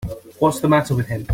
What's the matter with him.